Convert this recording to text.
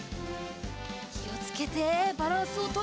きをつけてバランスをとりながら。